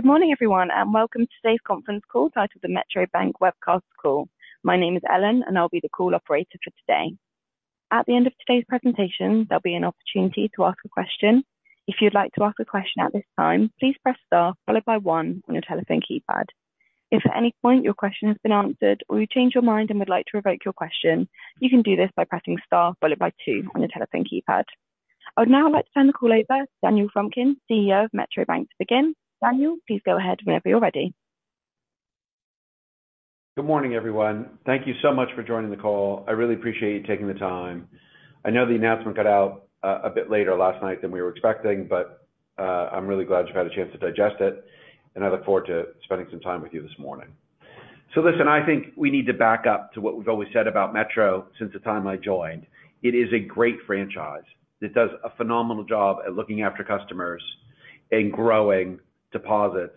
Good morning, everyone, and welcome to today's conference call, titled The Metro Bank Webcast Call. My name is Ellen, and I'll be the call operator for today. At the end of today's presentation, there'll be an opportunity to ask a question. If you'd like to ask a question at this time, please press Star followed by one on your telephone keypad. If at any point your question has been answered or you change your mind and would like to revoke your question, you can do this by pressing Star followed by two on your telephone keypad. I would now like to turn the call over to Daniel Frumkin, CEO of Metro Bank, to begin. Daniel, please go ahead whenever you're ready. Good morning, everyone. Thank you so much for joining the call. I really appreciate you taking the time. I know the announcement got out, a bit later last night than we were expecting, but, I'm really glad you've had a chance to digest it, and I look forward to spending some time with you this morning. So listen, I think we need to back up to what we've always said about Metro since the time I joined. It is a great franchise that does a phenomenal job at looking after customers and growing deposits,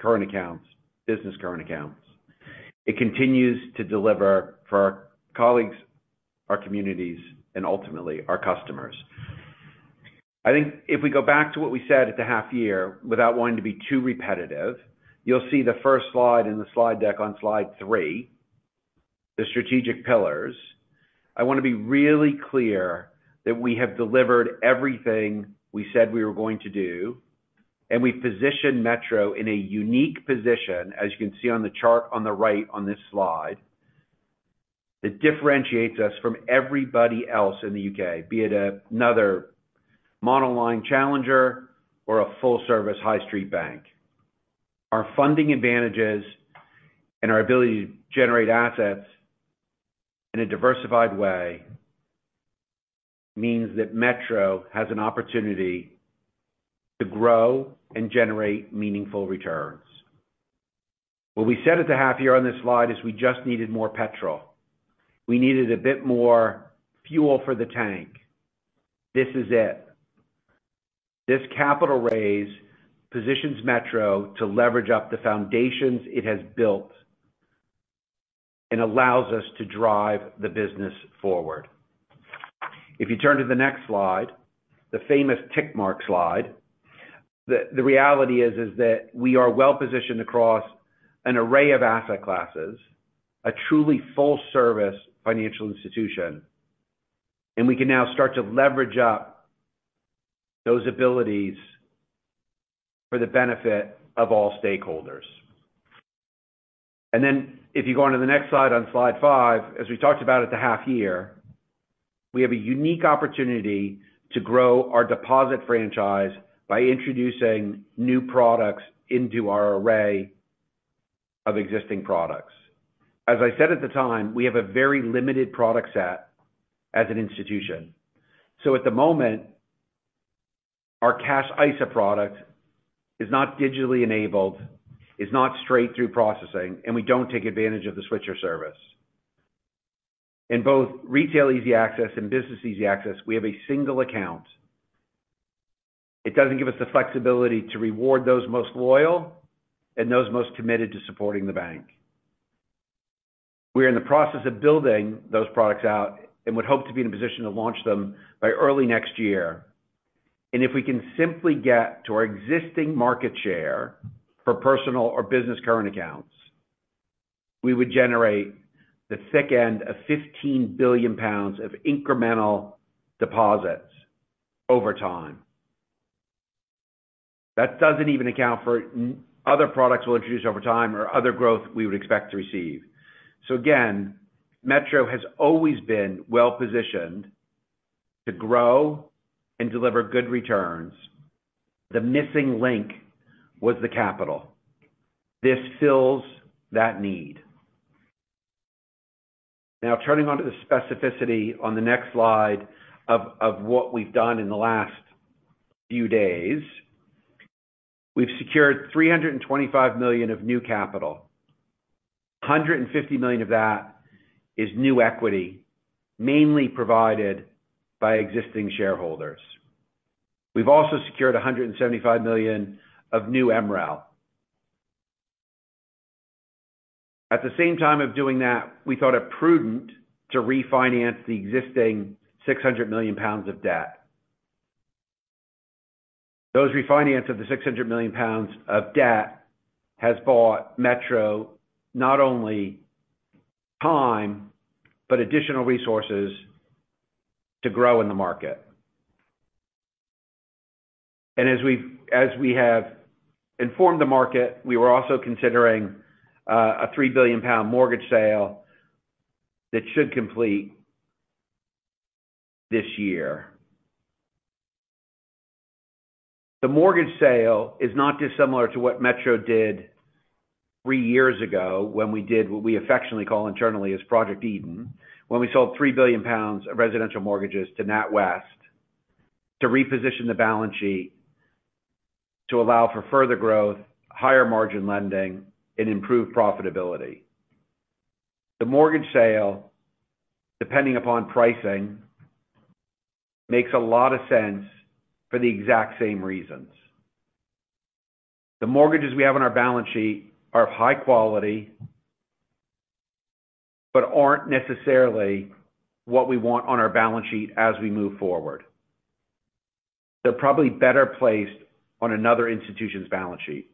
current accounts, business current accounts. It continues to deliver for our colleagues, our communities, and ultimately, our customers. I think if we go back to what we said at the half year, without wanting to be too repetitive, you'll see the first slide in the slide deck on slide three, the strategic pillars. I want to be really clear that we have delivered everything we said we were going to do, and we positioned Metro in a unique position, as you can see on the chart on the right on this slide. It differentiates us from everybody else in the U.K., be it another monoline challenger or a full-service high street bank. Our funding advantages and our ability to generate assets in a diversified way means that Metro has an opportunity to grow and generate meaningful returns. What we said at the half year on this slide is we just needed more petrol. We needed a bit more fuel for the tank. This is it. This capital raise positions Metro to leverage up the foundations it has built and allows us to drive the business forward. If you turn to the next slide, the famous tick mark slide, the reality is that we are well-positioned across an array of asset classes, a truly full-service financial institution, and we can now start to leverage up those abilities for the benefit of all stakeholders. And then if you go on to the next slide, on slide five, as we talked about at the half year, we have a unique opportunity to grow our deposit franchise by introducing new products into our array of existing products. As I said at the time, we have a very limited product set as an institution, so at the moment, our Cash ISA product is not digitally enabled, is not straight-through processing, and we don't take advantage of the switcher service. In both retail easy access and business easy access, we have a single account. It doesn't give us the flexibility to reward those most loyal and those most committed to supporting the bank. We are in the process of building those products out and would hope to be in a position to launch them by early next year. If we can simply get to our existing market share for personal or business current accounts, we would generate the thick end of 15 billion pounds of incremental deposits over time. That doesn't even account for other products we'll introduce over time or other growth we would expect to receive. Again, Metro has always been well-positioned to grow and deliver good returns. The missing link was the capital. This fills that need. Now, turning on to the specificity on the next slide of what we've done in the last few days. We've secured 325 million of new capital. 150 million of that is new equity, mainly provided by existing shareholders. We've also secured 175 million of new MREL. At the same time of doing that, we thought it prudent to refinance the existing 600 million pounds of debt. The refinance of the 600 million pounds of debt has bought Metro not only time, but additional resources to grow in the market. As we have informed the market, we were also considering a 3 billion pound mortgage sale that should complete this year. The mortgage sale is not dissimilar to what Metro did three years ago when we did what we affectionately call internally as Project Eden, when we sold 3 billion pounds of residential mortgages to NatWest to reposition the balance sheet to allow for further growth, higher margin lending, and improved profitability. The mortgage sale, depending upon pricing, makes a lot of sense for the exact same reasons. The mortgages we have on our balance sheet are of high quality... but aren't necessarily what we want on our balance sheet as we move forward. They're probably better placed on another institution's balance sheet.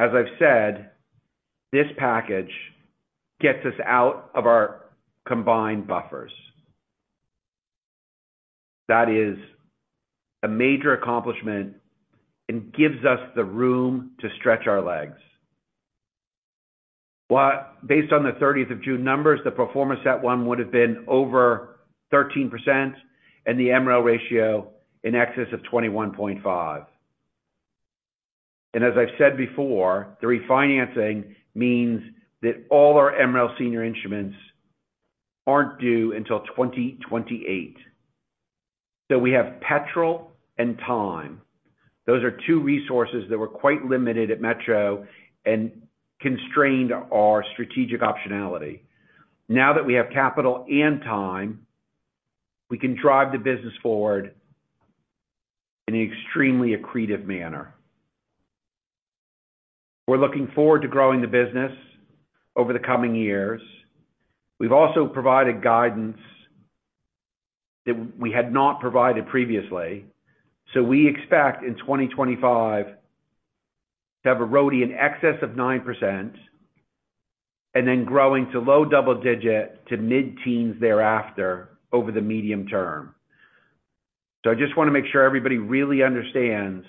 As I've said, this package gets us out of our combined buffers. That is a major accomplishment and gives us the room to stretch our legs. What-- based on the 30th of June numbers, the performance at one would have been over 13% and the MREL ratio in excess of 21.5%. As I've said before, the refinancing means that all our MREL senior instruments aren't due until 2028. We have petrol and time. Those are two resources that were quite limited at Metro and constrained our strategic optionality. Now that we have capital and time, we can drive the business forward in an extremely accretive manner. We're looking forward to growing the business over the coming years. We've also provided guidance that we had not provided previously. So we expect in 2025 to have a ROE in excess of 9% and then growing to low double-digit to mid-teens thereafter over the medium term. So I just wanna make sure everybody really understands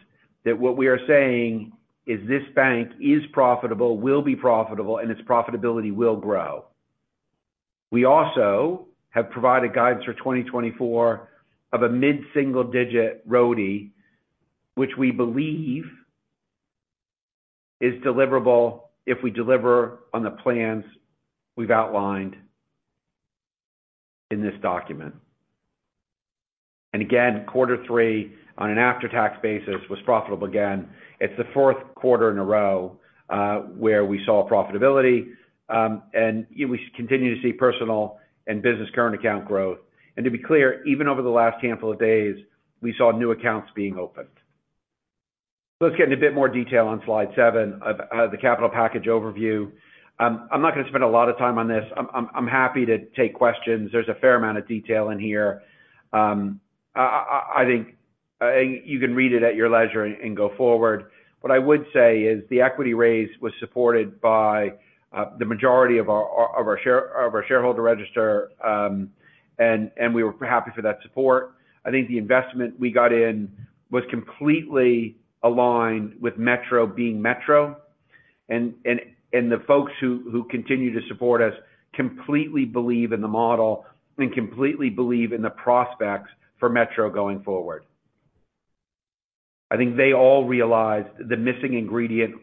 that what we are saying is this bank is profitable, will be profitable, and its profitability will grow. We also have provided guidance for 2024 of a mid-single-digit ROE, which we believe is deliverable if we deliver on the plans we've outlined in this document. And again, quarter three on an after-tax basis, was profitable again. It's the fourth quarter in a row where we saw profitability, and we continue to see personal and business current account growth. To be clear, even over the last handful of days, we saw new accounts being opened. Let's get into a bit more detail on slide seven of the capital package overview. I'm not gonna spend a lot of time on this. I'm happy to take questions. There's a fair amount of detail in here. I think you can read it at your leisure and go forward. What I would say is the equity raise was supported by the majority of our shareholder register, and we were happy for that support. I think the investment we got in was completely aligned with Metro being Metro, and the folks who continue to support us completely believe in the model and completely believe in the prospects for Metro going forward. I think they all realized the missing ingredient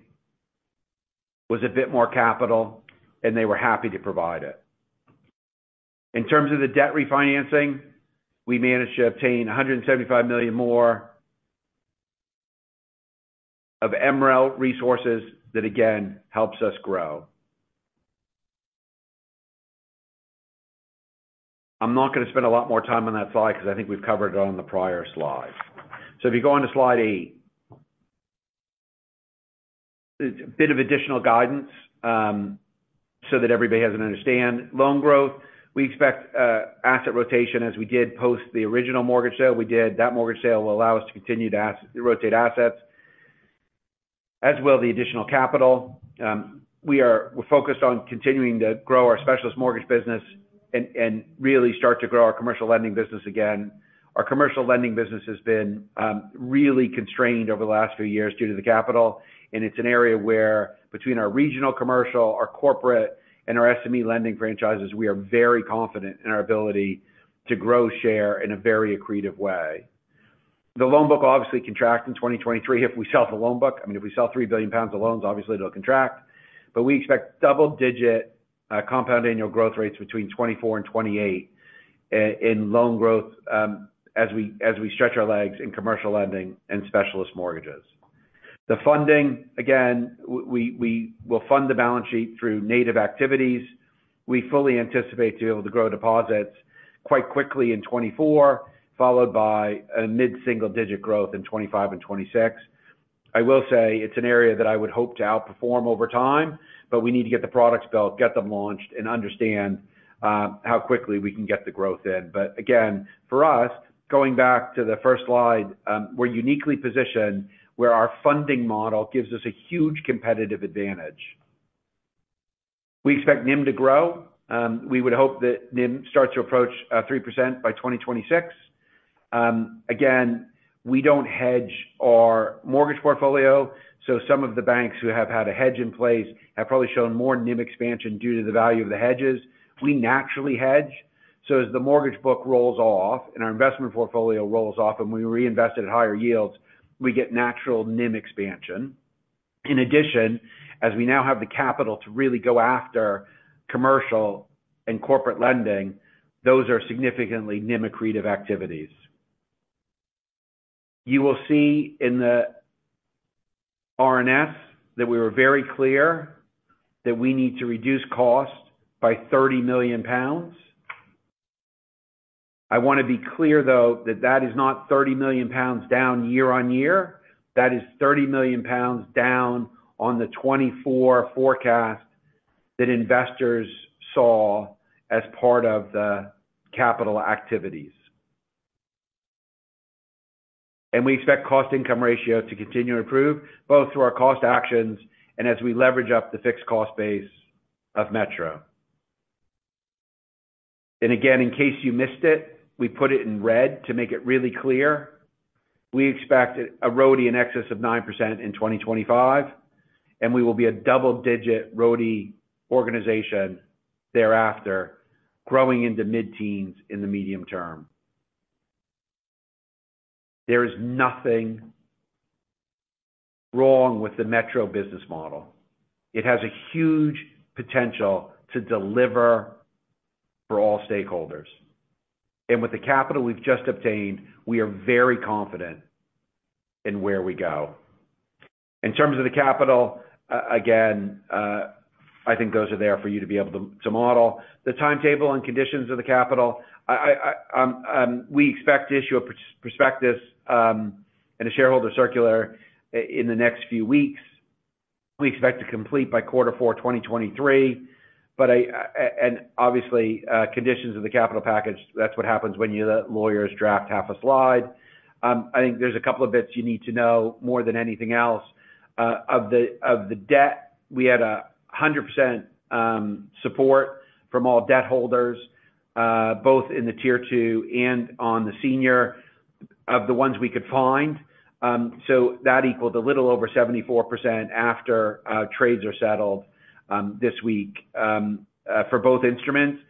was a bit more capital, and they were happy to provide it. In terms of the debt refinancing, we managed to obtain 175 million more of MREL resources. That again helps us grow. I'm not gonna spend a lot more time on that slide because I think we've covered it on the prior slide. So if you go on to slide eight. A bit of additional guidance, so that everybody has an understanding. Loan growth, we expect asset rotation as we did post the original mortgage sale we did. That mortgage sale will allow us to continue to rotate assets, as well as the additional capital. We're focused on continuing to grow our specialist mortgage business and really start to grow our commercial lending business again. Our commercial lending business has been really constrained over the last few years due to the capital, and it's an area where between our regional commercial, our corporate, and our SME lending franchises, we are very confident in our ability to grow share in a very accretive way. The loan book obviously contract in 2023. If we sell the loan book, I mean, if we sell 3 billion pounds of loans, obviously it'll contract, but we expect double digit compound annual growth rates between 2024 and 2028 in loan growth, as we stretch our legs in commercial lending and specialist mortgages. The funding, again, we will fund the balance sheet through native activities. We fully anticipate to be able to grow deposits quite quickly in 2024, followed by a mid-single digit growth in 2025 and 2026. I will say it's an area that I would hope to outperform over time, but we need to get the products built, get them launched, and understand how quickly we can get the growth in. But again, for us, going back to the first slide, we're uniquely positioned where our funding model gives us a huge competitive advantage. We expect NIM to grow. We would hope that NIM starts to approach 3% by 2026. Again, we don't hedge our mortgage portfolio, so some of the banks who have had a hedge in place have probably shown more NIM expansion due to the value of the hedges. We naturally hedge, so as the mortgage book rolls off and our investment portfolio rolls off and we reinvest it at higher yields, we get natural NIM expansion. In addition, as we now have the capital to really go after commercial and corporate lending, those are significantly NIM accretive activities. You will see in the RNS that we were very clear that we need to reduce cost by 30 million pounds.... I wanna be clear though, that that is not 30 million pounds down year-over-year. That is 30 million pounds down on the 2024 forecast that investors saw as part of the capital activities. And we expect cost income ratio to continue to improve, both through our cost actions and as we leverage up the fixed cost base of Metro. And again, in case you missed it, we put it in red to make it really clear. We expect a ROAE in excess of 9% in 2025, and we will be a double-digit ROAE organization thereafter, growing into mid-teens in the medium term. There is nothing wrong with the Metro business model. It has a huge potential to deliver for all stakeholders. With the capital we've just obtained, we are very confident in where we go. In terms of the capital, again, I think those are there for you to be able to model. The timetable and conditions of the capital, we expect to issue a prospectus and a shareholder circular in the next few weeks. We expect to complete by Q4 2023. But obviously, conditions of the capital package, that's what happens when you let lawyers draft half a slide. I think there's a couple of bits you need to know more than anything else. Of the debt, we had 100% support from all debt holders, both in the Tier 2 and on the senior, of the ones we could find. So that equaled a little over 74% after trades are settled this week for both instruments.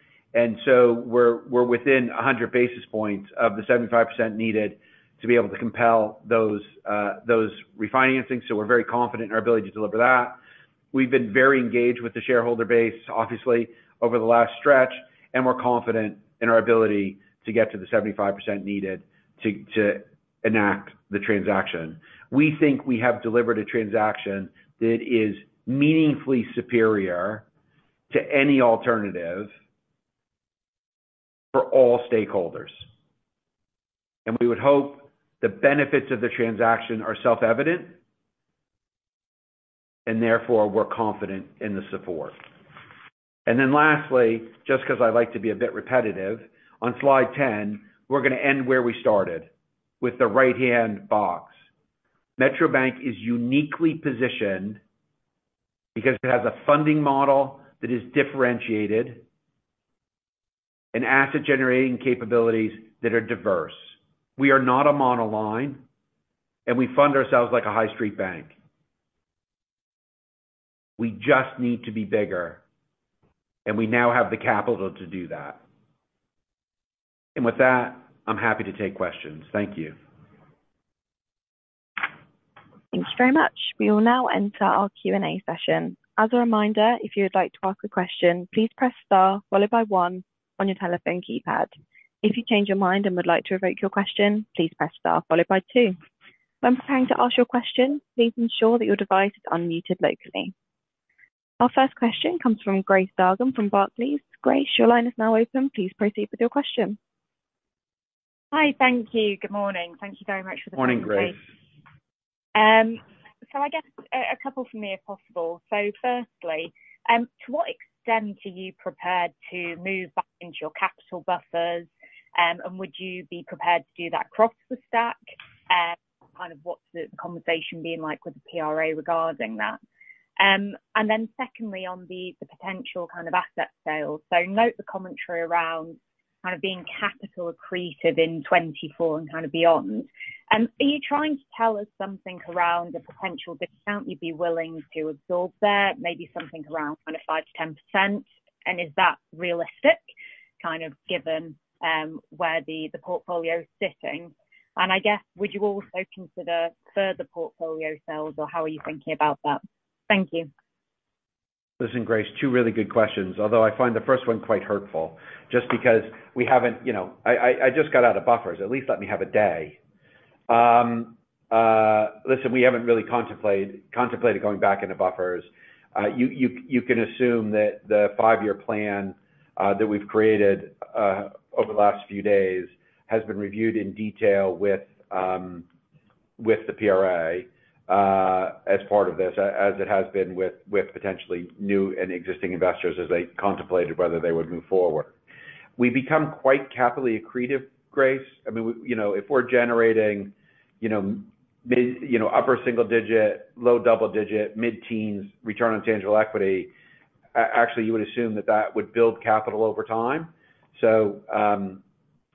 So we're within 100 basis points of the 75% needed to be able to compel those refinancing. So we're very confident in our ability to deliver that. We've been very engaged with the shareholder base, obviously, over the last stretch, and we're confident in our ability to get to the 75% needed to enact the transaction. We think we have delivered a transaction that is meaningfully superior to any alternative for all stakeholders. We would hope the benefits of the transaction are self-evident, and therefore, we're confident in the support. Lastly, just because I like to be a bit repetitive, on slide 10, we're gonna end where we started, with the right-hand box. Metro Bank is uniquely positioned because it has a funding model that is differentiated and asset-generating capabilities that are diverse. We are not a monoline, and we fund ourselves like a high street bank. We just need to be bigger, and we now have the capital to do that. With that, I'm happy to take questions. Thank you. Thanks very much. We will now enter our Q&A session. As a reminder, if you would like to ask a question, please press star followed by one on your telephone keypad. If you change your mind and would like to revoke your question, please press star followed by two. When preparing to ask your question, please ensure that your device is unmuted locally. Our first question comes from Grace Dargan from Barclays. Grace, your line is now open. Please proceed with your question. Hi, thank you. Good morning. Thank you very much for the presentation. Morning, Grace. So I guess, a couple from me, if possible. So firstly, to what extent are you prepared to move back into your capital buffers? And would you be prepared to do that across the stack? Kind of what's the conversation been like with the PRA regarding that? And then secondly, on the potential kind of asset sales. So note the commentary around kind of being capital accretive in 2024 and kind of beyond. Are you trying to tell us something around the potential discount you'd be willing to absorb there? Maybe something around kind of 5%-10%. And is that realistic, kind of given where the portfolio is sitting? And I guess, would you also consider further portfolio sales, or how are you thinking about that? Thank you. Listen, Grace, two really good questions, although I find the first one quite hurtful, just because we haven't, you know—I just got out of buffers. At least let me have a day. Listen, we haven't really contemplated going back into buffers. You can assume that the five-year plan that we've created over the last few days has been reviewed in detail with the PRA as part of this, as it has been with potentially new and existing investors as they contemplated whether they would move forward. We've become quite capitally accretive, Grace. I mean, we, you know, if we're generating, you know, mid, you know, upper single digit, low double digit, mid-teens return on tangible equity, actually, you would assume that that would build capital over time. So,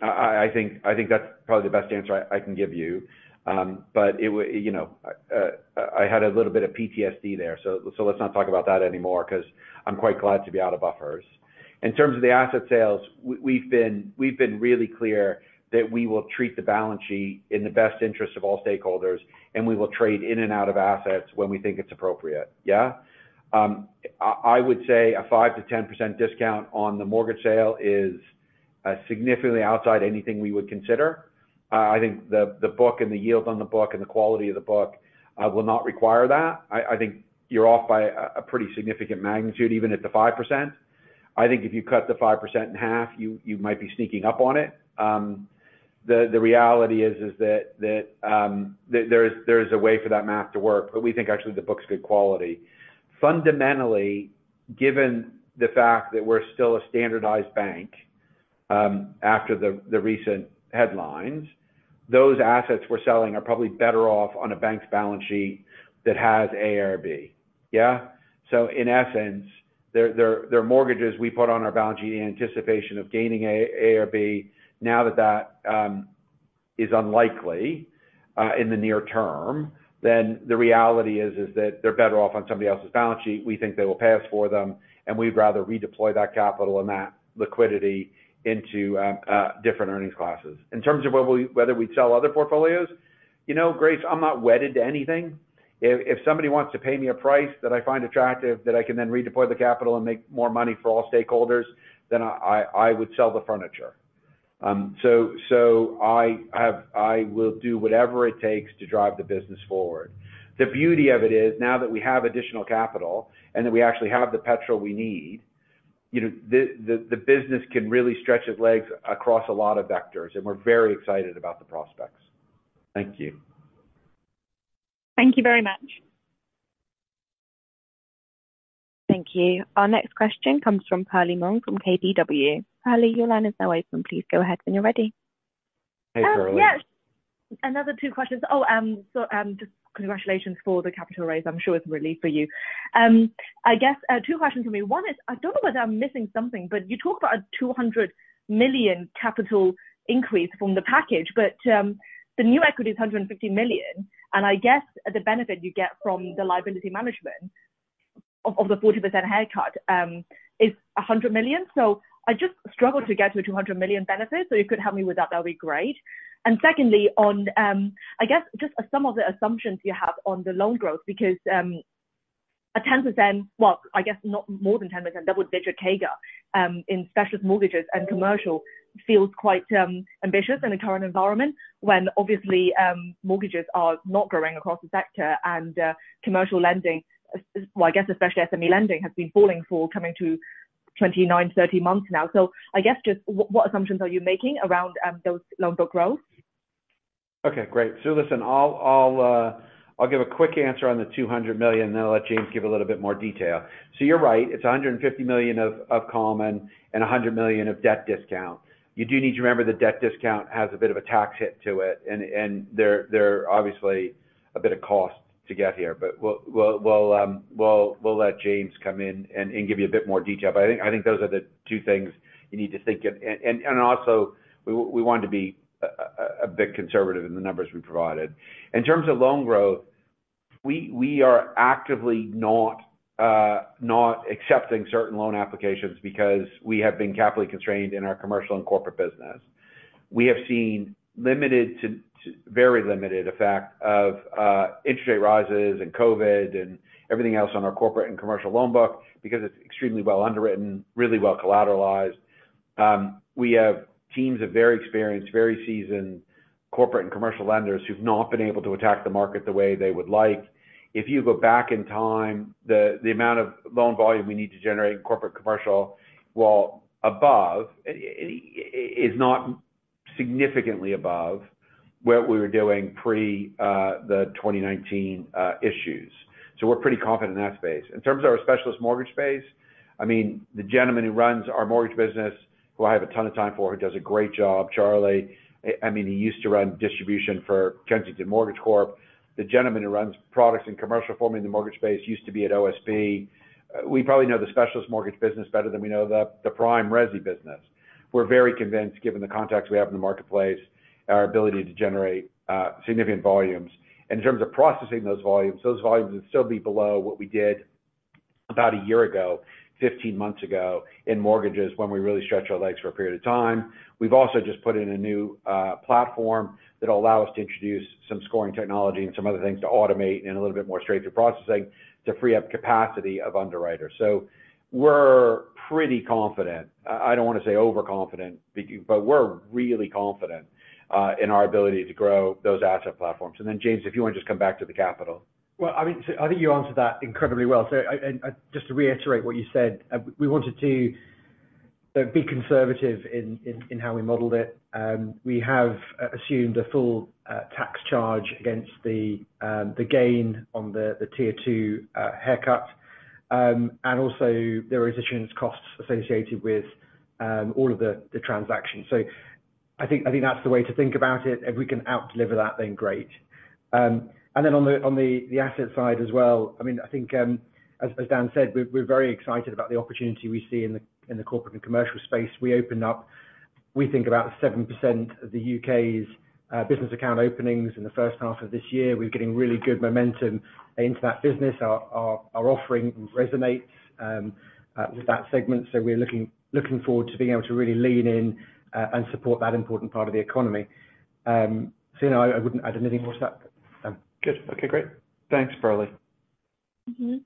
I think that's probably the best answer I can give you. But you know, I had a little bit of PTSD there, so let's not talk about that anymore because I'm quite glad to be out of buffers. In terms of the asset sales, we've been really clear that we will treat the balance sheet in the best interest of all stakeholders, and we will trade in and out of assets when we think it's appropriate. Yeah? I would say a 5%-10% discount on the mortgage sale is significantly outside anything we would consider. I think the book and the yield on the book and the quality of the book will not require that. I think you're off by a pretty significant magnitude, even at the 5%. I think if you cut the 5% in half, you might be sneaking up on it. The reality is that there is a way for that math to work, but we think actually the book's good quality. Fundamentally, given the fact that we're still a standardized bank, after the recent headlines, those assets we're selling are probably better off on a bank's balance sheet that has A-IRB. Yeah? So in essence, there are mortgages we put on our balance sheet in anticipation of gaining A-IRB. Now that that is unlikely in the near term, then the reality is that they're better off on somebody else's balance sheet. We think they will pay us for them, and we'd rather redeploy that capital and that liquidity into different earnings classes. In terms of whether we, whether we'd sell other portfolios, you know, Grace, I'm not wedded to anything. If somebody wants to pay me a price that I find attractive, that I can then redeploy the capital and make more money for all stakeholders, then I, I, I would sell the furniture. So, I have. I will do whatever it takes to drive the business forward. The beauty of it is, now that we have additional capital and that we actually have the petrol we need, you know, the business can really stretch its legs across a lot of vectors, and we're very excited about the prospects. Thank you. Thank you very much. Thank you. Our next question comes from Perlie Mong, from KBW. Perlie, your line is now open. Please go ahead when you're ready. Hey, Perlie. Yes. Another two questions. Oh, so, just congratulations for the capital raise. I'm sure it's a relief for you. I guess, two questions for me. One is, I don't know whether I'm missing something, but you talked about a 200 million capital increase from the package, but, the new equity is 150 million, and I guess the benefit you get from the liability management of the 40% haircut, is a 100 million. So I just struggle to get to a 200 million benefit. So if you could help me with that, that'd be great. And secondly, on, I guess, just some of the assumptions you have on the loan growth, because, a 10%... Well, I guess, not more than 10%, double-digit CAGR in specialist mortgages and commercial, feels quite ambitious in the current environment, when obviously mortgages are not growing across the sector, and commercial lending, well, I guess, especially SME lending, has been falling for coming to 29, 30 months now. So I guess just what, what assumptions are you making around those loan book growth? Okay, great. So listen, I'll give a quick answer on the 200 million, and then I'll let James give a little bit more detail. So you're right, it's 150 million of common and 100 million of debt discount. You do need to remember the debt discount has a bit of a tax hit to it, and there are obviously a bit of cost to get here. But we'll let James come in and give you a bit more detail. But I think those are the two things you need to think of. And also, we want to be a bit conservative in the numbers we provided. In terms of loan growth, we are actively not accepting certain loan applications because we have been carefully constrained in our commercial and corporate business. We have seen limited to very limited effect of interest rate rises and COVID and everything else on our corporate and commercial loan book, because it's extremely well underwritten, really well collateralized. We have teams of very experienced, very seasoned corporate and commercial lenders who've not been able to attack the market the way they would like. If you go back in time, the amount of loan volume we need to generate in corporate commercial, while above, is not significantly above what we were doing pre the 2019 issues. So we're pretty confident in that space. In terms of our specialist mortgage space, I mean, the gentleman who runs our mortgage business, who I have a ton of time for, who does a great job, Charlie, I mean, he used to run distribution for Kensington Mortgages. The gentleman who runs products and commercial for me in the mortgage space, used to be at OSB. We probably know the specialist mortgage business better than we know the prime resi business. We're very convinced, given the contacts we have in the marketplace, our ability to generate significant volumes. In terms of processing those volumes, those volumes would still be below what we did about a year ago, 15 months ago, in mortgages, when we really stretched our legs for a period of time. We've also just put in a new platform that will allow us to introduce some scoring technology and some other things to automate and a little bit more straight-through processing to free up capacity of underwriters. So we're pretty confident. I don't want to say overconfident, but we're really confident in our ability to grow those asset platforms. And then, James, if you want to just come back to the capital. Well, I mean, so I think you answered that incredibly well. So, just to reiterate what you said, we wanted to be conservative in how we modeled it. We have assumed a full tax charge against the gain on the Tier 2 haircut. And also there are additional costs associated with all of the transactions. So I think that's the way to think about it. If we can outdeliver that, then great. And then on the asset side as well, I mean, I think, as Dan said, we're very excited about the opportunity we see in the corporate and commercial space. We opened up, we think, about 7% of the U.K.'s business account openings in the first half of this year. We're getting really good momentum into that business. Our offering resonates with that segment. So we're looking forward to being able to really lean in and support that important part of the economy. So, you know, I wouldn't add anything more to that. Good. Okay, great. Thanks, Perlie. Mm-hmm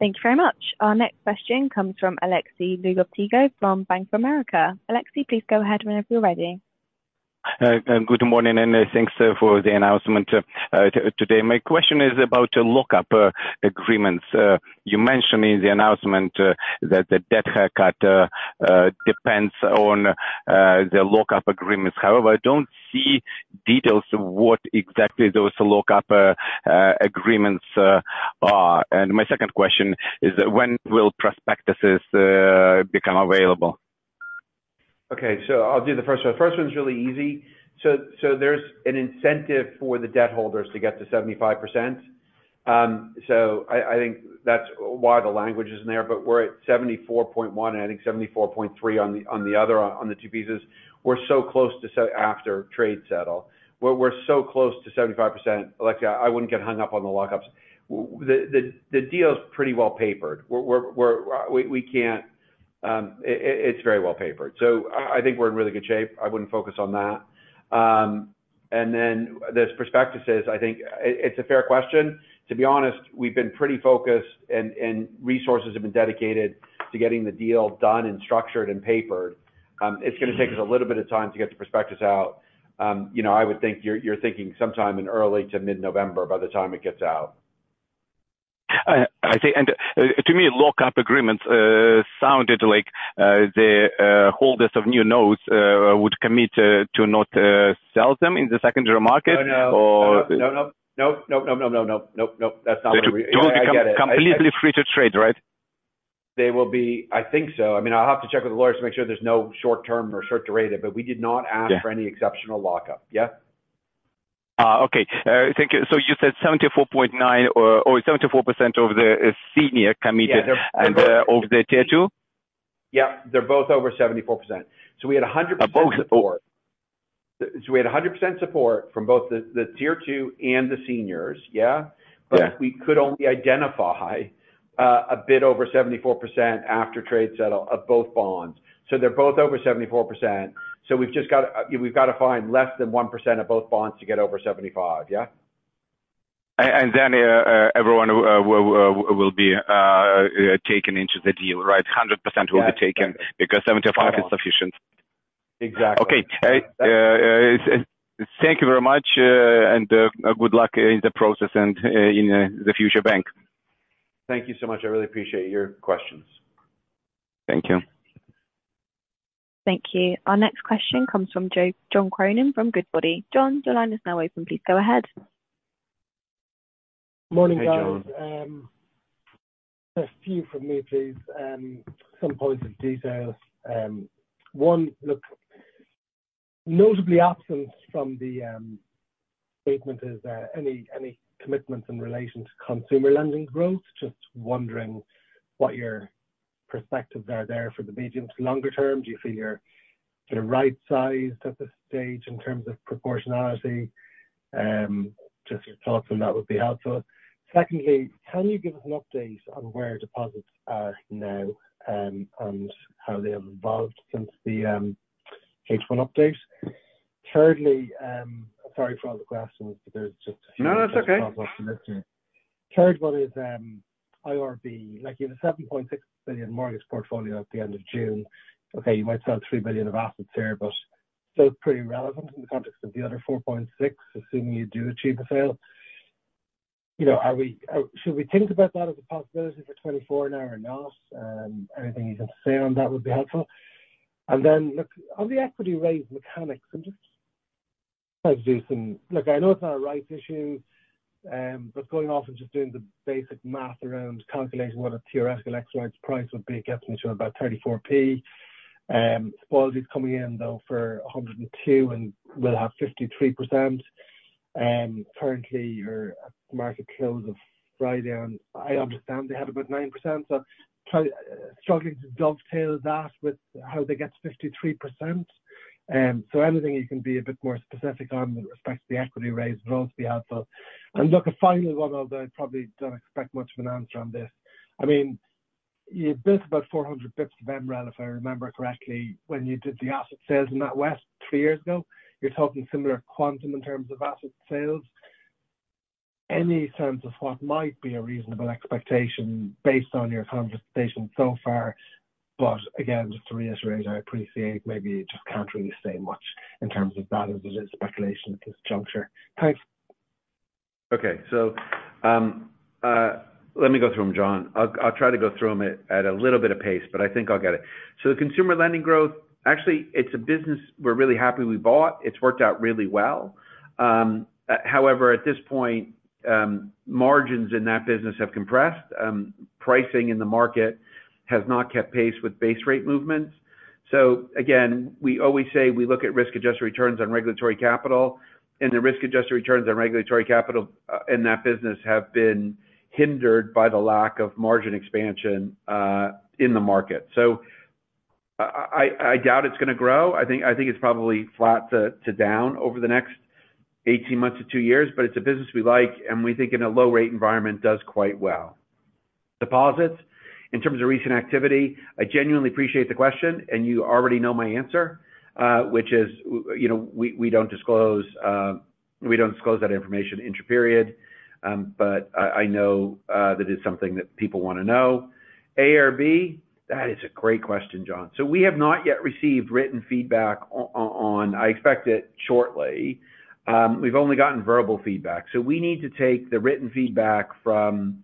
Thank you very much. Our next question comes from Alexei Lougovtsov from Bank of America. Alexei, please go ahead whenever you're ready. Good morning, and thanks for the announcement today. My question is about the lock-up agreements. You mentioned in the announcement that the debt haircut depends on the lock-up agreements. However, I don't see details of what exactly those lock-up agreements are. And my second question is: when will prospectuses become available? Okay. I'll do the first one. The first one's really easy. There's an incentive for the debt holders to get to 75%. I think that's why the language is in there, but we're at 74.1%, and I think 74.3% on the other, on the two pieces. We're so close to, after trade settle. We're so close to 75%, Alexei, I wouldn't get hung up on the lockups. The deal is pretty well papered. We can't, it's very well papered, so I think we're in really good shape. I wouldn't focus on that. Then there's prospectuses. I think it's a fair question. To be honest, we've been pretty focused and resources have been dedicated to getting the deal done and structured and papered. It's gonna take us a little bit of time to get the prospectus out. You know, I would think you're thinking sometime in early to mid-November by the time it gets out. I see. To me, lock-up agreements sounded like the holders of new notes would commit to not sell them in the secondary market? No. Or- No, no. Nope, nope, no, no, nope, nope, nope. That's not what we- They will be- I get it. Completely free to trade, right? They will be... I think so. I mean, I'll have to check with the lawyers to make sure there's no short term or short duration, but we did not ask- Yeah. for any exceptional lockup. Yeah? Okay. Thank you. So you said 74.9% or 74% of the senior committed- Yeah And of the Tier 2? Yeah, they're both over 74%. So we had 100% support. Both, or? We had 100% support from both the Tier 2 and the seniors. Yeah. Yeah. But we could only identify, a bit over 74% after trade settle of both bonds. So they're both over 74%. So we've just got, we've got to find less than 1% of both bonds to get over 75%. Yeah? And then, everyone will be taken into the deal, right? 100% will be taken- Yeah. - because 75 is sufficient. Exactly. Okay. Thank you very much, and good luck in the process and in the future bank. Thank you so much. I really appreciate your questions. Thank you. Thank you. Our next question comes from John Cronin from Goodbody. John, your line is now open. Please go ahead. Morning, guys. Hi, John. Just a few from me, please, some points of detail. One, look, notably absent from the statement, is any, any commitments in relation to consumer lending growth. Just wondering what your perspectives are there for the medium to longer term. Do you feel you're sort of right-sized at this stage in terms of proportionality? Just your thoughts on that would be helpful. Secondly, can you give us an update on where deposits are now, and how they have evolved since the H1 update? Thirdly, sorry for all the questions, but there's just- No, that's okay. Third one is, IRB, like, you have a 7.6 billion mortgage portfolio at the end of June. Okay, you might sell 3 billion of assets here, but still pretty relevant in the context of the other 4.6, assuming you do achieve the sale. You know, are we, should we think about that as a possibility for 2024 now or not? Anything you can say on that would be helpful. And then, look, on the equity raise mechanics, I'm just trying to do some. Look, I know it's not a rights issue, but going off and just doing the basic math around calculating what a theoretical exercise price would be, it gets me to about 34p. Equity is coming in though for 102 and will have 53%. Currently, your market close of Friday, and I understand they have about 9%, so try, struggling to dovetail that with how they get to 53%. Anything you can be a bit more specific on with respect to the equity raise would also be helpful. Look, a final one, although I probably don't expect much of an answer on this. I mean, you built about 400 basis points of MREL, if I remember correctly, when you did the asset sales in NatWest three years ago. You're talking similar quantum in terms of asset sales. Any sense of what might be a reasonable expectation based on your conversation so far? Again, just to reiterate, I appreciate maybe you just can't really say much in terms of value. It is speculation at this juncture. Thanks. Okay. So, let me go through them, John. I'll try to go through them at a little bit of pace, but I think I'll get it. So the consumer lending growth, actually, it's a business we're really happy we bought. It's worked out really well. However, at this point, margins in that business have compressed. Pricing in the market has not kept pace with base rate movements. So again, we always say we look at risk-adjusted returns on regulatory capital, and the risk-adjusted returns on regulatory capital in that business have been hindered by the lack of margin expansion in the market. So I doubt it's gonna grow. I think it's probably flat to down over the next 18 months to two years. But it's a business we like, and we think in a low-rate environment does quite well. Deposits, in terms of recent activity, I genuinely appreciate the question, and you already know my answer, which is, you know, we, we don't disclose. We don't disclose that information intraperiod, but I, I know, that is something that people wanna know. A-IRB? That is a great question, John. So we have not yet received written feedback on, I expect it shortly. We've only gotten verbal feedback. So we need to take the written feedback from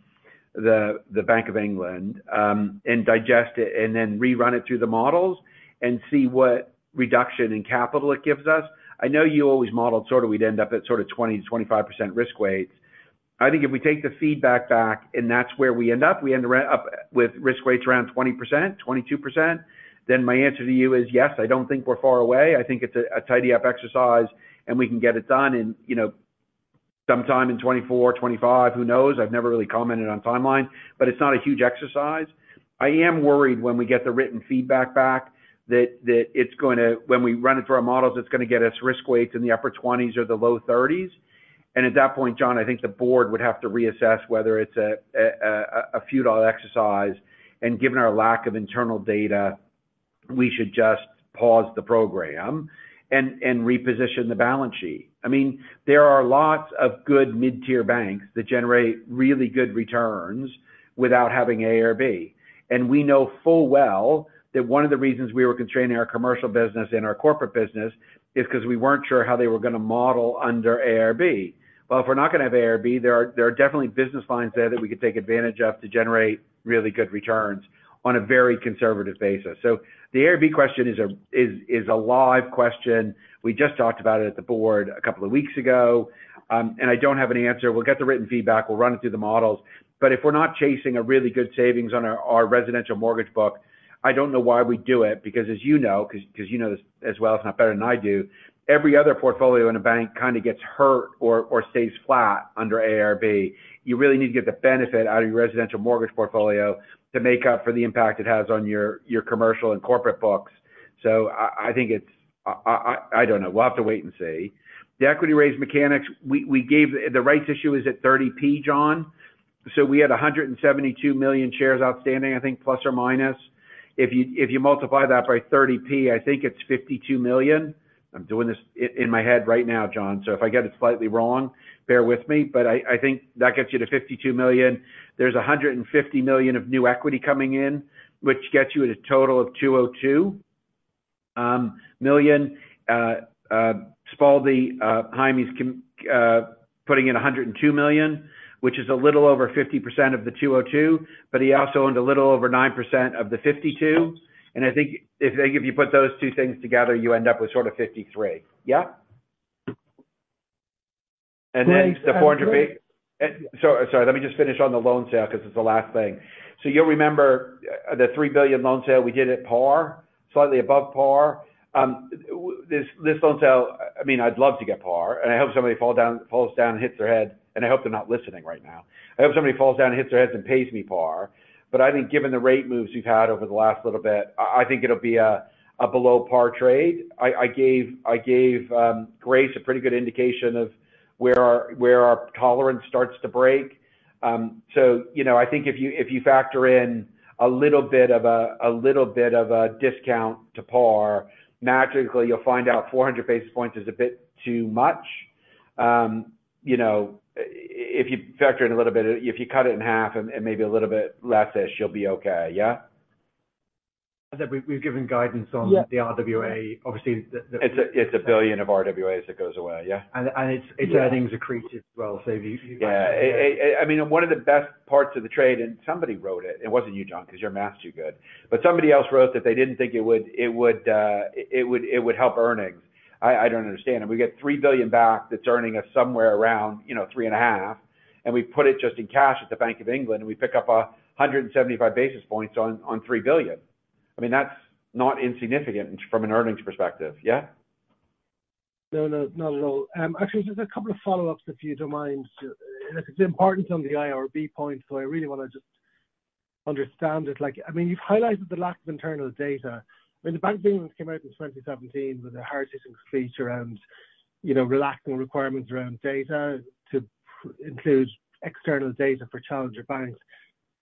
the, the Bank of England, and digest it, and then rerun it through the models and see what reduction in capital it gives us. I know you always modeled sort of we'd end up at sort of 20%-25% risk weight. I think if we take the feedback back and that's where we end up, we end up with risk weights around 20%, 22%, then my answer to you is, yes, I don't think we're far away. I think it's a tidy up exercise, and we can get it done in, you know, sometime in 2024, 2025, who knows? I've never really commented on timeline, but it's not a huge exercise. I am worried when we get the written feedback back, that it's gonna—when we run it through our models, it's gonna get us risk weights in the upper 20s or the low 30s. At that point, John, I think the board would have to reassess whether it's a futile exercise, and given our lack of internal data, we should just pause the program and reposition the balance sheet. I mean, there are lots of good mid-tier banks that generate really good returns without having A-IRB. And we know full well that one of the reasons we were constraining our commercial business and our corporate business is 'cause we weren't sure how they were gonna model underA-IRB. Well, if we're not gonna have A-IRB, there are definitely business lines there that we could take advantage of to generate really good returns on a very conservative basis. So the A-IRB question is a live question. We just talked about it at the board a couple of weeks ago, and I don't have an answer. We'll get the written feedback, we'll run it through the models, but if we're not chasing a really good savings on our residential mortgage book, I don't know why we do it. Because as you know, 'cause you know this as well, if not better than I do, every other portfolio in a bank kind of gets hurt or stays flat under A-IRB. You really need to get the benefit out of your residential mortgage portfolio to make up for the impact it has on your commercial and corporate books. So I think it's... I don't know. We'll have to wait and see. The equity raise mechanics, we gave—the rights issue is at 30p, John. So we had 172 million shares outstanding, I think, plus or minus. If you multiply that by 30p, I think it's 52 million. I'm doing this in my head right now, John, so if I get it slightly wrong, bear with me. But I think that gets you to 52 million. There's 150 million of new equity coming in, which gets you at a total of 202 million. Spaldy, Jaime's putting in 102 million, which is a little over 50% of the 202 million, but he also owned a little over 9% of the 52. I think if you put those two things together, you end up with sort of 53%. Yeah? And then the 400 b- Great. So, sorry, let me just finish on the loan sale, because it's the last thing. So you'll remember the 3 billion loan sale we did at par, slightly above par. This loan sale, I mean, I'd love to get par, and I hope somebody falls down and hits their head, and I hope they're not listening right now. I hope somebody falls down and hits their heads and pays me par. But I think given the rate moves we've had over the last little bit, I think it'll be a below-par trade. I gave Grace a pretty good indication of where our tolerance starts to break. So you know, I think if you factor in a little bit of a discount to par, magically you'll find out 400 basis points is a bit too much. You know, if you factor in a little bit, if you cut it in half and maybe a little bit less-ish, you'll be okay. Yeah? That we've given guidance on- Yeah. the RWA, obviously, It's 1 billion of RWAs that goes away. Yeah? And it's- Yeah. It's earnings accretive as well. So you, you- Yeah. I mean, one of the best parts of the trade, and somebody wrote it, it wasn't you, John, because your math's too good. Somebody else wrote that they didn't think it would, it would help earnings. I don't understand it. We get 3 billion back that's earning us somewhere around, you know, 3.5, and we put it just in cash at the Bank of England, and we pick up 175 basis points on 3 billion. I mean, that's not insignificant from an earnings perspective. Yeah? No, no, not at all. Actually, just a couple of follow-ups, if you don't mind. It's important on the IRB point, so I really want to just understand it. Like, I mean, you've highlighted the lack of internal data. I mean, the Bank of England came out in 2017 with a hard-hitting speech around, you know, relaxing requirements around data to include external data for challenger banks.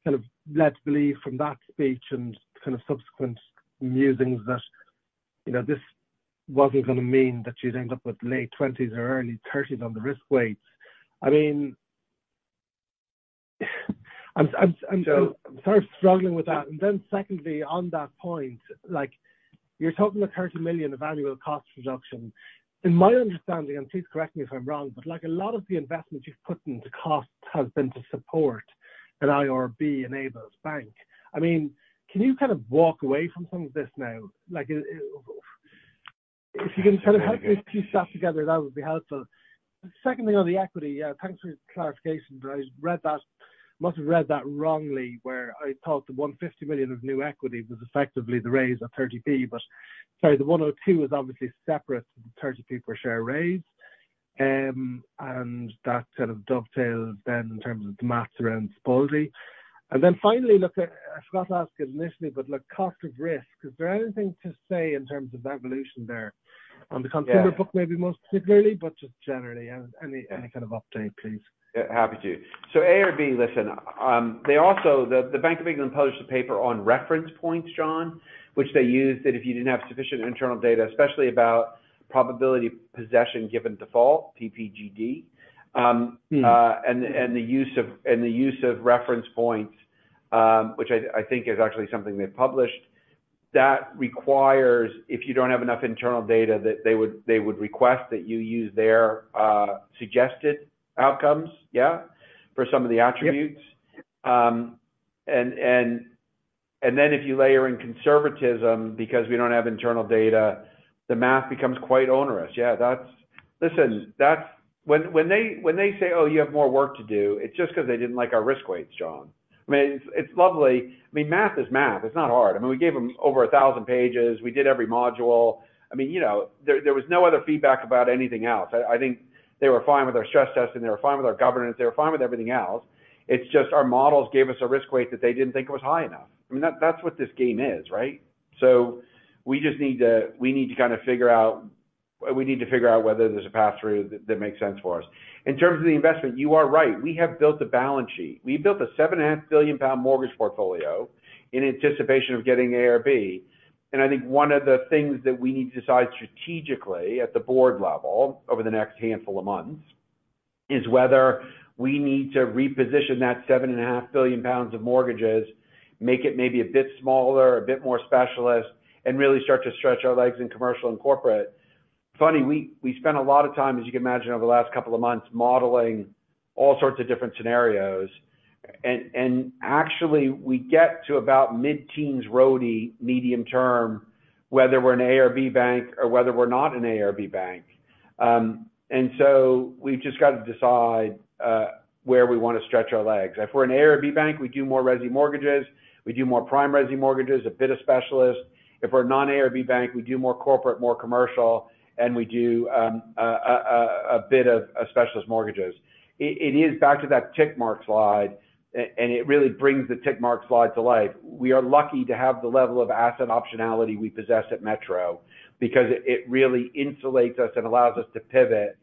Kind of led to believe from that speech and kind of subsequent musings that, you know, this wasn't gonna mean that you'd end up with late 20s or early 30s on the risk weights. I mean, I'm- Yeah. Sort of struggling with that. Secondly, on that point, like, you're talking about 30 million annual cost reduction. In my understanding, and please correct me if I'm wrong, but, like, a lot of the investment you've put into cost has been to support an IRB-enabled bank. I mean, can you kind of walk away from some of this now? Like, if you can kind of help me piece that together, that would be helpful. Secondly, on the equity, thanks for your clarification, but I read that—must have read that wrongly, where I thought the 150 million of new equity was effectively the raise of 30p, but sorry, the 102 million was obviously separate to the 30p per share raise. That sort of dovetails then in terms of the maths around Spaldy. And then finally, look, I forgot to ask it initially, but look, cost of risk. Is there anything to say in terms of evolution there? Yeah... on the consumer book, maybe most particularly, but just generally, any kind of update, please? Yeah, happy to. So A-IRB, listen, they also, the Bank of England published a paper on reference points, John, which they used, that if you didn't have sufficient internal data, especially about probability of possession given default, PPGD, Mm. and the use of reference points, which I think is actually something they published... that requires, if you don't have enough internal data, that they would request that you use their suggested outcomes. Yeah. For some of the attributes? Yep. And then if you layer in conservatism because we don't have internal data, the math becomes quite onerous. Yeah, that's—listen, that's when they say, "Oh, you have more work to do," it's just because they didn't like our risk weights, John. I mean, it's lovely. I mean, math is math. It's not hard. I mean, we gave them over 1,000 pages. We did every module. I mean, you know, there was no other feedback about anything else. I think they were fine with our stress testing, they were fine with our governance, they were fine with everything else. It's just our models gave us a risk weight that they didn't think it was high enough. I mean, that's what this game is, right? So we just need to... We need to kind of figure out—we need to figure out whether there's a path through that, that makes sense for us. In terms of the investment, you are right. We have built a balance sheet. We built a 7.5 billion pound mortgage portfolio in anticipation of getting A-IRB. I think one of the things that we need to decide strategically at the board level, over the next handful of months, is whether we need to reposition that 7.5 billion pounds of mortgages, make it maybe a bit smaller, a bit more specialist, and really start to stretch our legs in commercial and corporate. Funny, we spent a lot of time, as you can imagine, over the last couple of months, modeling all sorts of different scenarios. Actually, we get to about mid-teens ROA medium term, whether we're an A-IRB bank or whether we're not an A-IRB bank. And so we've just got to decide where we want to stretch our legs. If we're an A-IRB bank, we do more resi mortgages, we do more prime resi mortgages, a bit of specialist. If we're a non-A-IRB bank, we do more corporate, more commercial, and we do a bit of specialist mortgages. It is back to that tick mark slide, and it really brings the tick mark slide to life. We are lucky to have the level of asset optionality we possess at Metro, because it really insulates us and allows us to pivot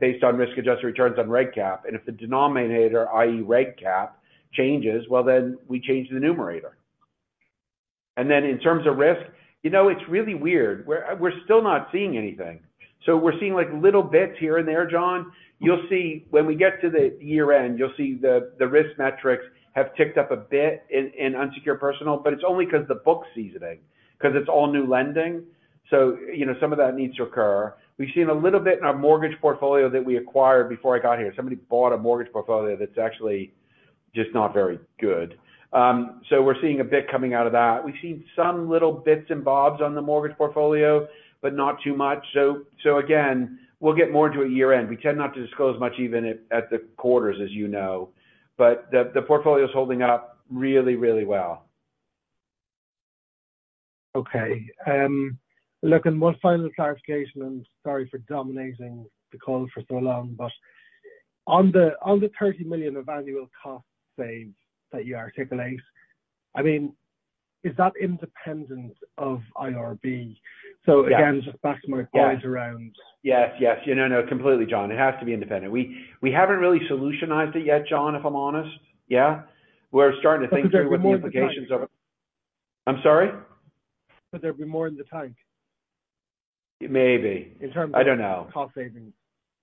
based on risk-adjusted returns on reg cap. And if the denominator, i.e., reg cap, changes, well, then we change the numerator. Then in terms of risk, you know, it's really weird. We're still not seeing anything. So we're seeing, like, little bits here and there, John. You'll see, when we get to the year-end, you'll see the risk metrics have ticked up a bit in unsecured personal, but it's only because the book seasoning, because it's all new lending. So, you know, some of that needs to occur. We've seen a little bit in our mortgage portfolio that we acquired before I got here. Somebody bought a mortgage portfolio that's actually just not very good. So we're seeing a bit coming out of that. We've seen some little bits and bobs on the mortgage portfolio, but not too much. So again, we'll get more into a year-end. We tend not to disclose much even at the quarters, as you know, but the portfolio is holding up really, really well. Okay. Look, and one final clarification, and sorry for dominating the call for so long, but on the 30 million of annual cost save that you articulate, I mean, is that independent of IRB? Yeah. Again, just back to my slide around- Yes, yes. You know, no, completely, John. It has to be independent. We haven't really solutionized it yet, John, if I'm honest. Yeah, we're starting to think through what the implications of it- But there'll be more in the tank. I'm sorry? Could there be more in the tank? Maybe. In terms of- I don't know. Cost savings.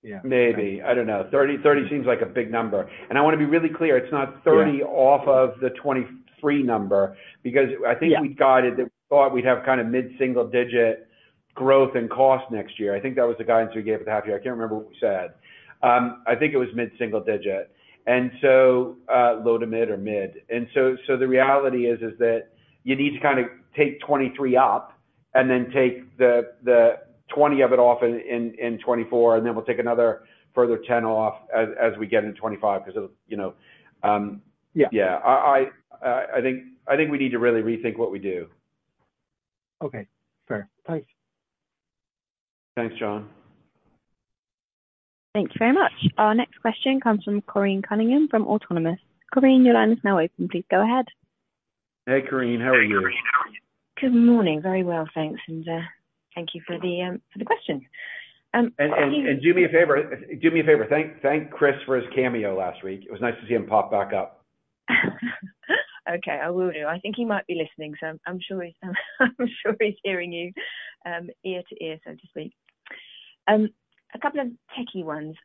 Yeah. Maybe. I don't know. 30, 30 seems like a big number. And I want to be really clear, it's not- Yeah... 30 off of the 23 number, because- Yeah... I think we guided that we thought we'd have kind of mid-single digit growth and cost next year. I think that was the guidance we gave at the half year. I can't remember what we said. I think it was mid-single digit. And so, low to mid or mid. And so, so the reality is that you need to kind of take 2023 up and then take the 20 of it off in 2024, and then we'll take another further 10 off as we get into 2025, because, you know- Yeah. Yeah. I think we need to really rethink what we do. Okay. Fair. Thanks. Thanks, John. Thank you very much. Our next question comes from Corinne Cunningham from Autonomous. Corinne, your line is now open. Please go ahead. Hey, Corinne, how are you? Good morning. Very well, thanks. Thank you for the question. What are you- Do me a favor. Thank Chris for his cameo last week. It was nice to see him pop back up. Okay, I will do. I think he might be listening, so I'm sure he's, I'm sure he's hearing you, ear to ear, so to speak. A couple of techy ones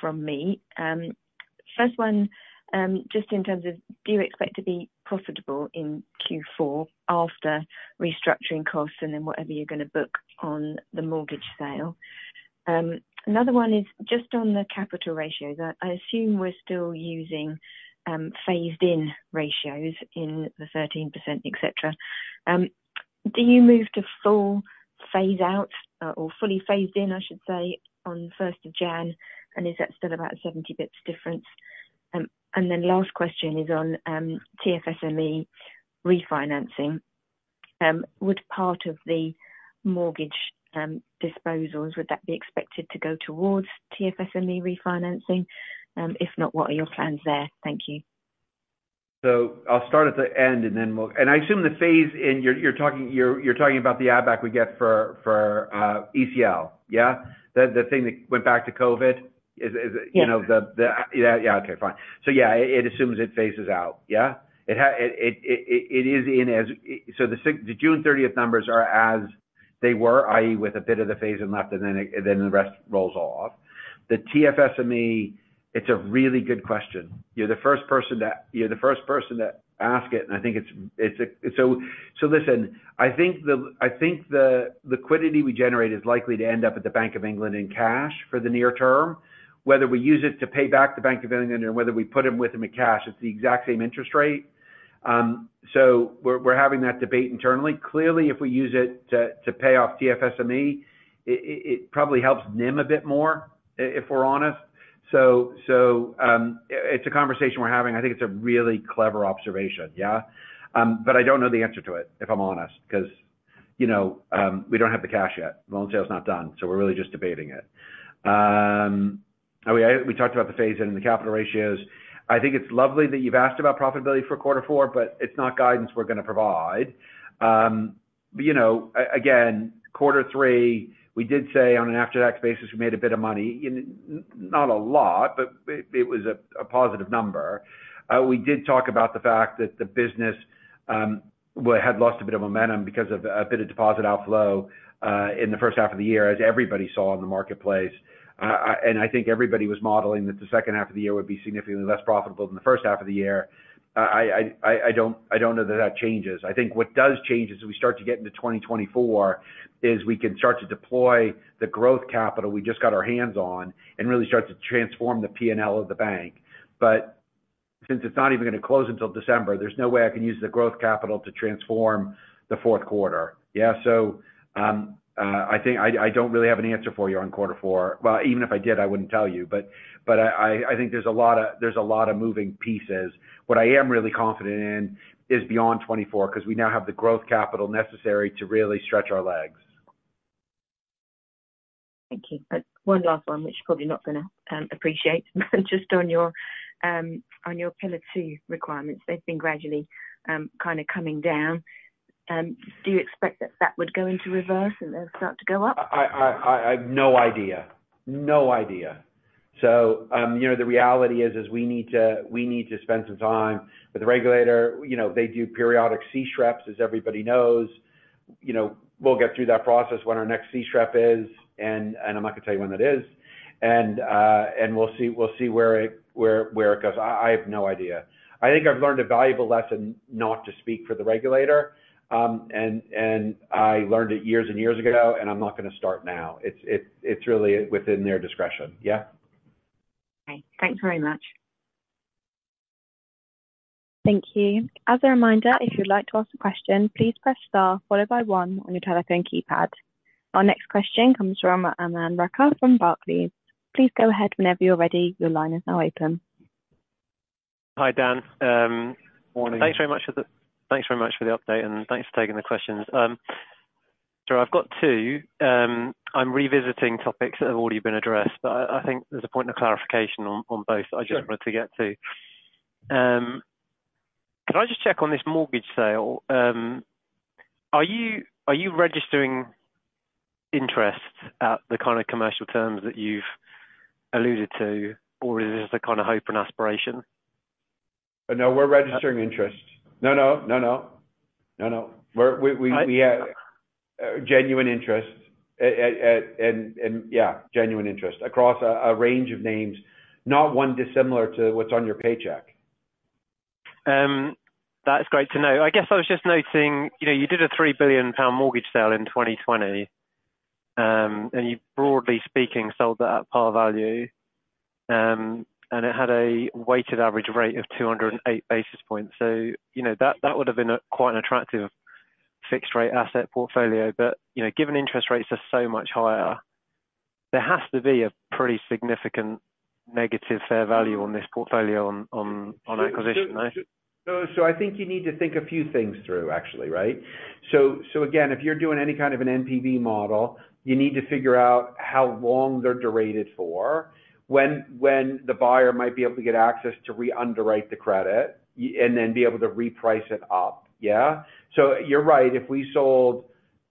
from me. First one, just in terms of, do you expect to be profitable in Q4 after restructuring costs and then whatever you're going to book on the mortgage sale? Another one is just on the capital ratios. I assume we're still using phased-in ratios in the 13% range, et cetera. Do you move to full phase out, or fully phased in, I should say, on the first of January, and is that still about 70 basis points difference? Last question is on TFSME refinancing. Would part of the mortgage disposals, would that be expected to go towards TFSME refinancing? If not, what are your plans there? Thank you. So I'll start at the end and then we'll—and I assume the phase in, you're talking about the airbag we get for ECL. Yeah? The thing that went back to COVID is, you know- Yeah. Yeah, okay, fine. So, yeah, it assumes it phases out. Yeah? It is in as – So the June thirtieth numbers are as they were, i.e., with a bit of the phase-in left, and then the rest rolls off. The TFSME, it's a really good question. You're the first person to ask it, and I think it's a – so listen, I think the liquidity we generate is likely to end up at the Bank of England in cash for the near term. Whether we use it to pay back the Bank of England or whether we put them with them in cash, it's the exact same interest rate. So we're having that debate internally. Clearly, if we use it to pay off TFSME, it probably helps NIM a bit more, if we're honest. So, it's a conversation we're having. I think it's a really clever observation, yeah? But I don't know the answer to it, if I'm honest, because, you know, we don't have the cash yet. Loan sale is not done, so we're really just debating it. Oh, yeah, we talked about the phase in, the capital ratios. I think it's lovely that you've asked about profitability for quarter four, but it's not guidance we're going to provide. But you know, quarter three, we did say on an after-tax basis, we made a bit of money, not a lot, but it was a positive number. We did talk about the fact that the business, well, had lost a bit of momentum because of a bit of deposit outflow in the first half of the year, as everybody saw in the marketplace. And I think everybody was modeling that the second half of the year would be significantly less profitable than the first half of the year. I don't know that that changes. I think what does change is, as we start to get into 2024, we can start to deploy the growth capital we just got our hands on and really start to transform the PNL of the bank. But since it's not even going to close until December, there's no way I can use the growth capital to transform the fourth quarter. Yeah, so, I think I don't really have an answer for you on quarter four. Well, even if I did, I wouldn't tell you, but I think there's a lot of moving pieces. What I am really confident in is beyond 2024, because we now have the growth capital necessary to really stretch our legs. Thank you. But one last one, which you're probably not going to appreciate. Just on your Pillar 2 requirements, they've been gradually kind of coming down. Do you expect that that would go into reverse and then start to go up? I have no idea. No idea. So, you know, the reality is we need to spend some time with the regulator. You know, they do periodic C-SREPs, as everybody knows. You know, we'll get through that process when our next C-SREP is, and I'm not going to tell you when that is. And we'll see, we'll see where it goes. I have no idea. I think I've learned a valuable lesson not to speak for the regulator, and I learned it years and years ago, and I'm not going to start now. It's really within their discretion. Yeah. Okay. Thanks very much. Thank you. As a reminder, if you'd like to ask a question, please press Star followed by One on your telephone keypad. Our next question comes from Aman Rakkar from Barclays. Please go ahead whenever you're ready. Your line is now open. Hi, Dan. Morning. Thanks very much for the update, and thanks for taking the questions. So I've got two. I'm revisiting topics that have already been addressed, but I think there's a point of clarification on both. Sure. Can I just check on this mortgage sale? Are you, are you registering interest at the kind of commercial terms that you've alluded to, or is this a kind of hope and aspiration? No, we're registering interest. No, no. No, no. No, no. We're- I- Genuine interest. And yeah, genuine interest across a range of names, not one dissimilar to what's on your paycheck. That's great to know. I guess I was just noting, you know, you did a 3 billion pound mortgage sale in 2020, and you, broadly speaking, sold that at par value, and it had a weighted average rate of 208 basis points. So you know, that would have been a quite an attractive fixed rate asset portfolio. But, you know, given interest rates are so much higher, there has to be a pretty significant negative fair value on this portfolio on acquisition, right? So I think you need to think a few things through, actually. Right? So again, if you're doing any kind of an NPV model, you need to figure out how long they're durated for, when the buyer might be able to get access to reunderwrite the credit, and then be able to reprice it up. Yeah? So you're right. If we sold,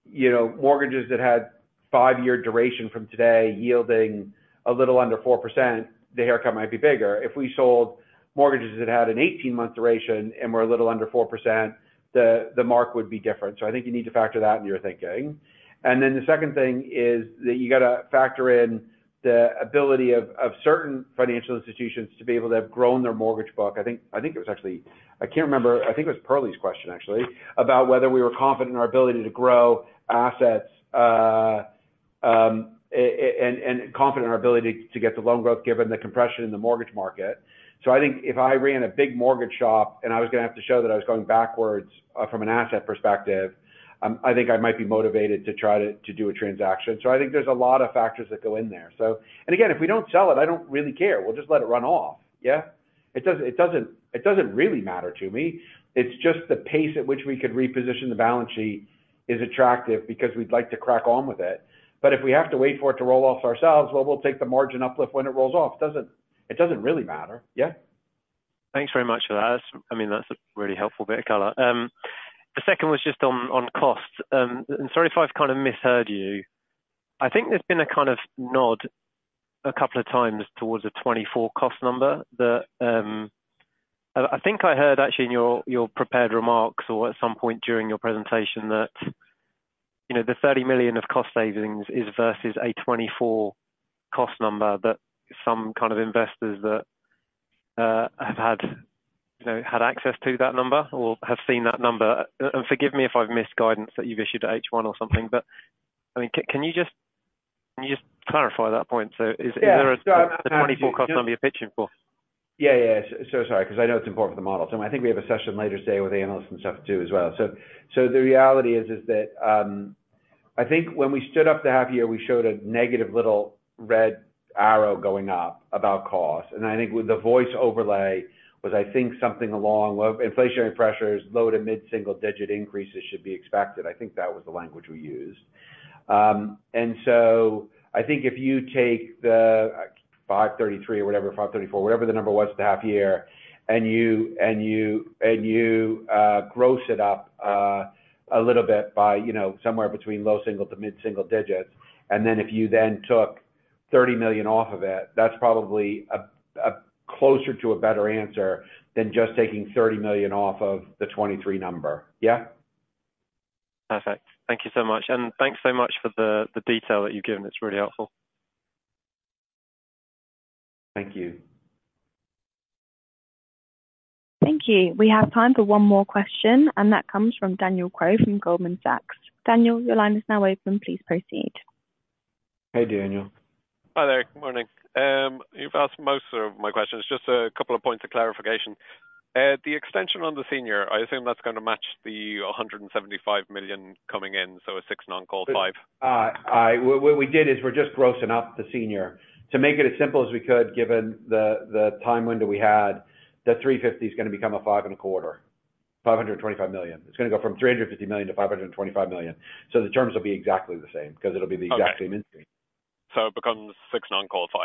you know, mortgages that had five-year duration from today, yielding a little under 4%, the haircut might be bigger. If we sold mortgages that had an 18-month duration and were a little under 4%, the mark would be different. So I think you need to factor that into your thinking. And then the second thing is that you got to factor in the ability of certain financial institutions to be able to have grown their mortgage book. I think it was actually—I can't remember, I think it was Perlie's question, actually, about whether we were confident in our ability to grow assets, and confident in our ability to get the loan growth given the compression in the mortgage market. So I think if I ran a big mortgage shop and I was going to have to show that I was going backwards from an asset perspective, I think I might be motivated to try to do a transaction. So I think there's a lot of factors that go in there. So... And again, if we don't sell it, I don't really care. We'll just let it run off. Yeah? It doesn't really matter to me. It's just the pace at which we could reposition the balance sheet is attractive because we'd like to crack on with it. But if we have to wait for it to roll off ourselves, well, we'll take the margin uplift when it rolls off. It doesn't, it doesn't really matter. Yeah. Thanks very much for that. I mean, that's a really helpful bit of color. The second was just on, on cost. Sorry if I've kind of misheard you. I think there's been a kind of nod a couple of times towards a 2024 cost number that, I think I heard actually in your prepared remarks or at some point during your presentation, that, you know, the 30 million of cost savings is versus a 2024 cost number, that some kind of investors that have had, you know, had access to that number or have seen that number. Forgive me if I've missed guidance that you've issued at H1 or something, but, I mean, can you just, can you just clarify that point? Is there a— Yeah. 24 cost number you're pitching for? Yeah, yeah. So sorry, because I know it's important for the model. So I think we have a session later today with analysts and stuff, too, as well. So the reality is that I think when we stood up the half year, we showed a negative little red arrow going up about cost. And I think with the voice overlay was, I think, something along with inflationary pressures, low- to mid-single-digit increases should be expected. I think that was the language we used. And so I think if you take the 533 or whatever, 534, whatever the number was at the half year, and you gross it up a little bit by, you know, somewhere between low-single- to mid-single-digit. If you then took 30 million off of it, that's probably a, a closer to a better answer than just taking 30 million off of the 23 number. Yeah? Perfect. Thank you so much, and thanks so much for the detail that you've given. It's really helpful. Thank you. Thank you. We have time for one more question, and that comes from Daniel Crowe from Goldman Sachs. Daniel, your line is now open. Please proceed. Hey, Daniel. Hi there. Good morning. You've asked most of my questions, just a couple of points of clarification. The extension on the senior, I assume that's gonna match the 175 million coming in, so a 6 non-call 5. What we did is we're just grossing up the senior. To make it as simple as we could, given the time window we had, the 350 is gonna become a 525, 525 million. It's gonna go from 350 million to 525 million. The terms will be exactly the same because it'll be the exact same interest rate. Okay. So it becomes 6 non-call 5?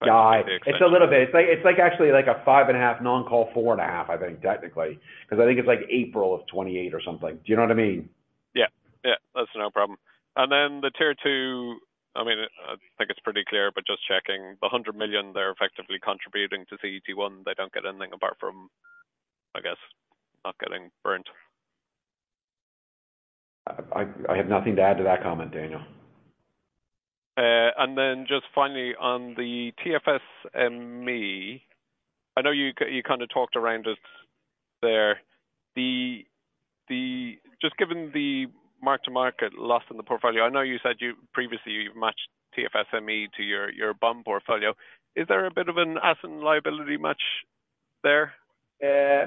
It's a little bit. It's like, it's like actually like a 5.5 non-call, 4.5, I think, technically, because I think it's like April of 2028 or something. Do you know what I mean? Yeah, yeah. That's no problem. And then the Tier 2, I mean, I think it's pretty clear, but just checking. The 100 million, they're effectively contributing to CET1. They don't get anything apart from, I guess, not getting burnt. I have nothing to add to that comment, Daniel. And then just finally on the TFSME, I know you kind of talked around it there. Just given the mark-to-market loss in the portfolio, I know you said you previously matched TFSME to your bond portfolio. Is there a bit of an asset and liability match there?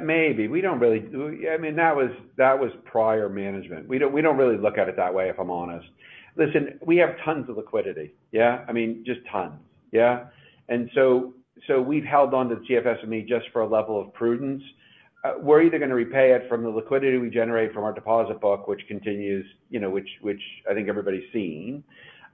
Maybe. We don't really... We-- I mean, that was, that was prior management. We don't, we don't really look at it that way, if I'm honest. Listen, we have tons of liquidity, yeah? I mean, just tons. Yeah? We've held on to the TFSME just for a level of prudence. We're either gonna repay it from the liquidity we generate from our deposit book, which continues... you know, which, which I think everybody's seen,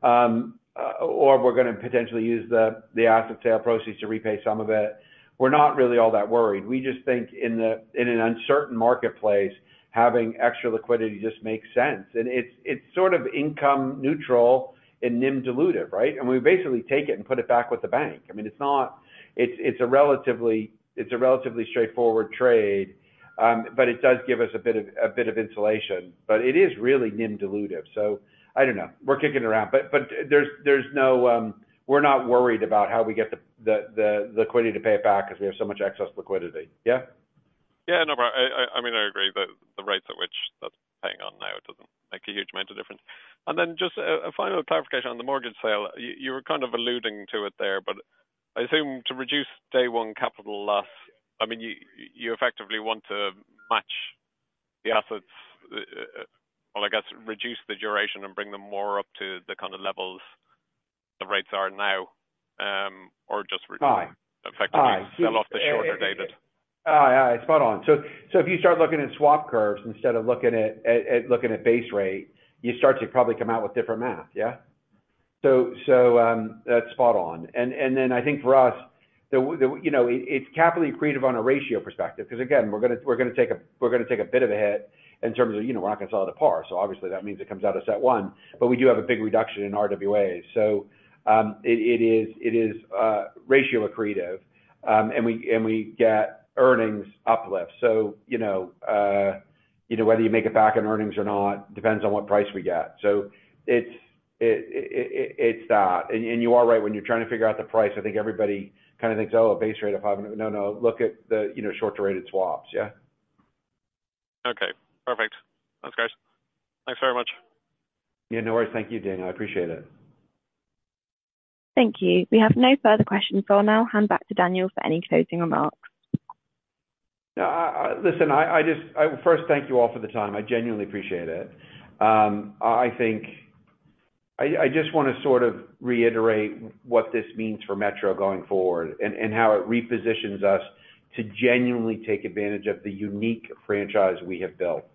or we're gonna potentially use the asset sale proceeds to repay some of it. We're not really all that worried. We just think in an uncertain marketplace, having extra liquidity just makes sense. It's sort of income neutral and NIM dilutive, right? We basically take it and put it back with the bank. I mean, it's not—it's a relatively straightforward trade, but it does give us a bit of insulation. But it is really NIM dilutive, so I don't know. We're kicking around. But there's no, we're not worried about how we get the liquidity to pay it back because we have so much excess liquidity. Yeah? Yeah, no, but I mean, I agree that the rates at which that's paying on now, it doesn't make a huge amount of difference. And then just a final clarification on the mortgage sale. You were kind of alluding to it there, but I assume to reduce day one capital loss, I mean, you effectively want to match the assets, well, I guess, reduce the duration and bring them more up to the kind of levels the rates are now, or just- Ah. Effectively sell off the shorter dated. Ah, yeah, spot on. So if you start looking at swap curves instead of looking at base rate, you start to probably come out with different math. Yeah? So that's spot on. And then I think for us, you know, it's capital accretive on a ratio perspective, because again, we're gonna take a bit of a hit in terms of, you know, we're not going to sell at a par. So obviously, that means it comes out of CET1, but we do have a big reduction in RWAs. So it is ratio accretive, and we get earnings uplift. So you know, whether you make it back in earnings or not, depends on what price we get. So it's that. And you are right when you're trying to figure out the price. I think everybody kind of thinks, "Oh, a base rate of five..." No, no. Look at the, you know, short-dated swaps. Yeah? Okay, perfect. Thanks, guys. Thanks very much. Yeah, no worries. Thank you, Daniel. I appreciate it. Thank you. We have no further questions. I'll now hand back to Daniel for any closing remarks. Yeah, listen, I first thank you all for the time. I genuinely appreciate it. I think I just want to sort of reiterate what this means for Metro going forward and how it repositions us to genuinely take advantage of the unique franchise we have built.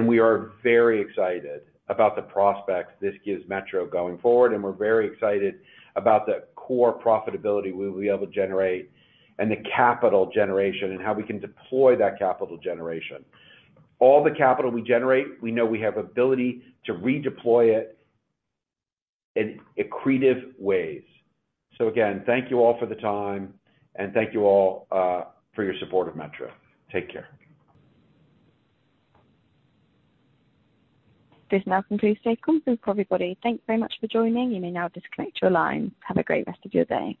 We are very excited about the prospects this gives Metro going forward, and we're very excited about the core profitability we'll be able to generate and the capital generation and how we can deploy that capital generation. All the capital we generate, we know we have ability to redeploy it in accretive ways. So again, thank you all for the time, and thank you all for your support of Metro. Take care. This now concludes the conference call, everybody. Thank you very much for joining. You may now disconnect your line. Have a great rest of your day.